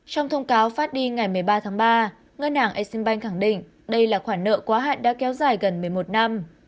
trong thông cáo phát đi ngày một mươi ba tháng ba ngân hàng exim bank khẳng định đây là khoản nợ quá hạn đã kéo dài gần một mươi một năm